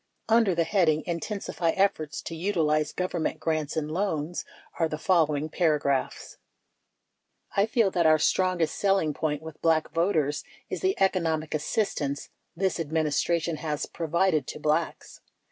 52 Under the heading "Inten sify Efforts To Utilize Government Grants and Loans" are the fol lowing paragraphs : I feel that our strongest selling point with Black voters is the economic assistance this Administration has provided to Blacks.